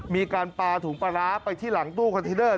มีการปลาถุงปลาร้าไปที่หลังตู้คอนเทนเดอร์